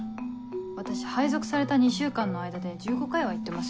私配属された２週間の間で１５回は行ってますよ。